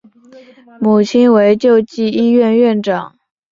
母亲为救济医院院长。